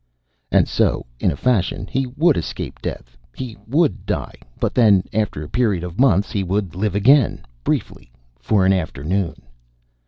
And so, in a fashion, he would escape death. He would die, but then, after a period of months, he would live again, briefly, for an afternoon.